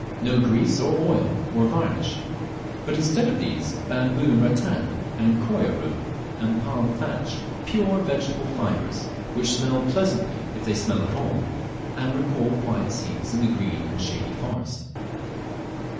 no grease, or oil, or varnish; but instead of these, bamboo and rattan, and coir rope and palm thatch; pure vegetable fibres, which smell pleasantly if they smell at all, and recall quiet scenes in the green and shady forest.